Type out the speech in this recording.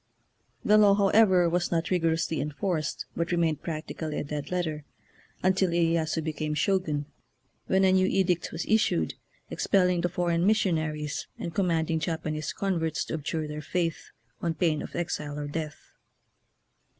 The law, however, was not rigorously en forced, but remained practically a dead letter, until Iyeyasu became Shogun, when a new edict was issued, expelling the foreign missionaries, and command ing Japanese converts to abjure their faith on pain of exile or death.